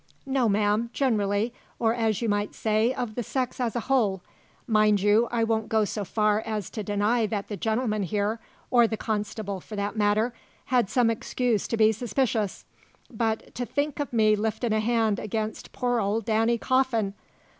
"No, ma'am; generally, or, as you might say, of the sex as a whole. Mind you, I won't go so far as to deny that the gentleman here or the constable, for that matter had some excuse to be suspicious. But to think o' me liftin' a hand against poor old Danny Coffin!